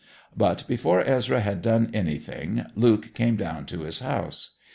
But before Ezra had done anything Luke came down to his house.